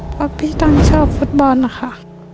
เพราะพี่ต้องชอบฟุตบอลนะคะ